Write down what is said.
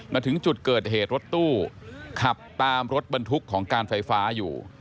มาถึงจุดเกิดเหตุรถตู้ขับตามรถบรรทุกของการไฟฟ้าอยู่